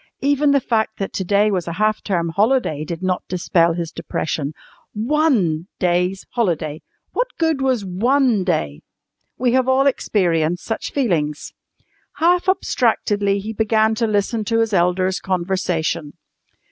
Even the fact that to day was a half term holiday did not dispel his depression. One day's holiday! What good was one day? We all have experienced such feelings. Half abstractedly he began to listen to his elders' conversation.